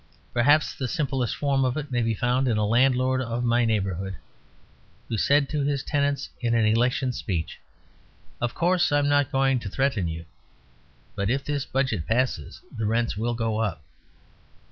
Perhaps the simplest form of it may be found in a landlord of my neighbourhood, who said to his tenants in an election speech, "Of course I'm not going to threaten you, but if this Budget passes the rents will go up."